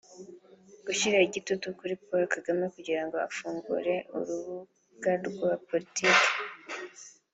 Gushyira igitutu kuri Paul Kagame kugira ngo afungure urubuga rwa politiki